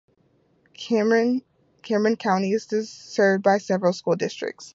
Cameron County is served by several school districts.